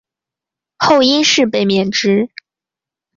后因事被免职。